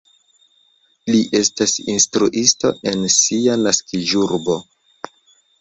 Li estas instruisto en sia naskiĝurbo.